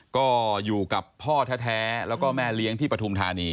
ก็อยู่กับพ่อแท้แล้วก็แม่เลี้ยงที่ปฐุมธานี